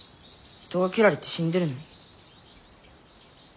人が斬られて死んでるのに。